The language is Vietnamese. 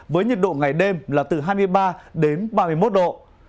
với nhiệt độ ngày đêm là từ hai mươi ba đến ba mươi một độ